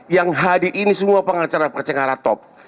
yang hadir ini semua pengacara pengacara top